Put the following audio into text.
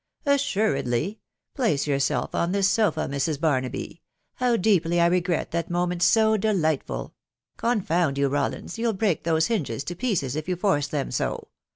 " Assuredly !.... Place yourself on. this sofa, Mn. naby. .•. How deeply I regret that moments so delig ... Con found you, Rawlins, you'll break those hingi pieces if you force them so.